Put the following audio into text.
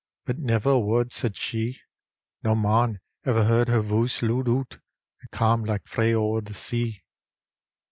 But never a word said ^e; No man ever heard her voice lood oot — It cam' like frae ower the sea.